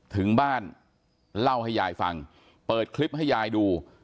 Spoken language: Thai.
ถึงบ้านเล่าให้ยายฟังเปิดคลิปให้ยายดู